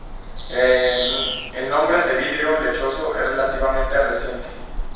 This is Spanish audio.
El nombre de vidrio lechoso es relativamente reciente.